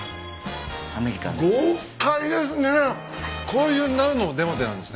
こういうなるのですね？